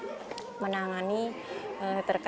kalau yang terkait itu kita bekerjasama juga dengan keluarga mereka